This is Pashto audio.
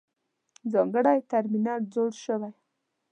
ځانګړی ترمینل جوړ شوی.